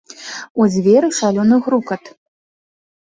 У дзверы шалёны грукат.